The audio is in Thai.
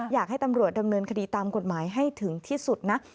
อยากให้ตำรวจดำเนินคดีตามกฎหมายให้ถึงที่สุดนะ